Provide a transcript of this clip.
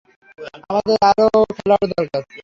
আমাদের আরও খেলোয়াড় দরকার!